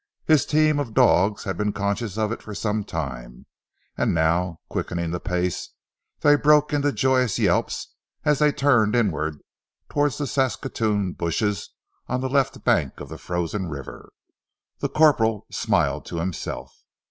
His team of dogs had been conscious of it for some time, and now, quickening the pace, they broke into joyous yelps as they turned inward towards the Saskatoon bushes on the left bank of the frozen river. The corporal smiled to himself.